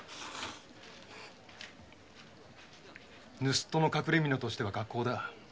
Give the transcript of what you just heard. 盗っ人の隠れみのとしてはかっこうだ。